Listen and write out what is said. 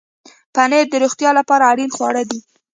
پنېر د روغتیا لپاره اړین خواړه دي.